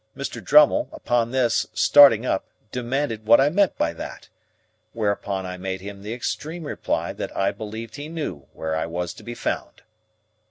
Mr. Drummle, upon this, starting up, demanded what I meant by that? Whereupon I made him the extreme reply that I believed he knew where I was to be found.